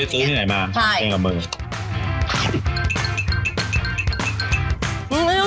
เออมีกลิ่นของมะขามตบตุดนิดนึง